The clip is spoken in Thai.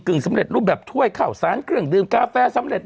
กลึงสำเร็จรูปแบบถ้วยเขาสารเกลืองดื่มกาแฟสำเร็จ